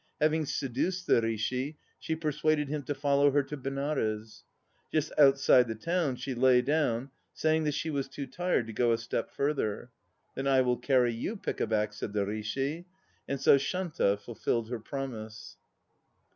Having seduced the Rishi, she persuaded him to follow her to Benares. Just outside the town she lay down, saying that she was too tired to go a step further. "Then I will carry you pickaback," said the Rishi. And so Shanta fulfilled her promise.